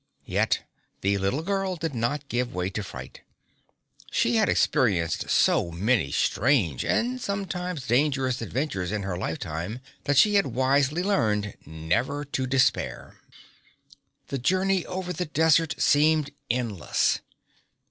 Yet the little girl did not give way to fright. She had experienced so many strange and sometimes dangerous adventures in her lifetime, that she had wisely learned never to despair. The journey over the desert seemed endless.